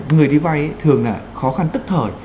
người đi vay thường là khó khăn tức thời